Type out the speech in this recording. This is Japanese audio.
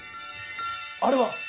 あれは？